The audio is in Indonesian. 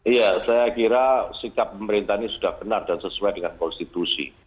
iya saya kira sikap pemerintah ini sudah benar dan sesuai dengan konstitusi